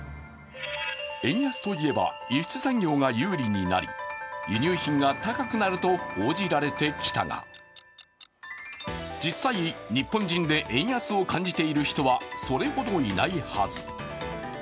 円安といえば、輸出産業が有利になり輸入品が高くなると報じられてきたが、実際、日本人で円安を感じている人はそれほどいないはず。